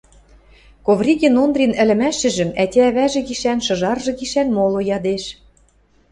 Ковригин Ондрин ӹлӹмӓшӹжӹм, ӓтя-ӓвӓжӹ гишӓн, шыжаржы гишӓн моло ядеш.